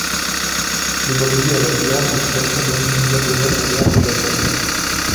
Le Brésil a la plus grande population d'origine japonaise en dehors du Japon.